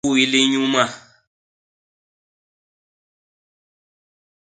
Ñguy linyuma.